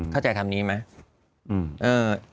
เข้าใจคำนี้ไหม